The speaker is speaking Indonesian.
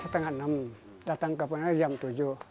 setengah enam datang ke penari jam tujuh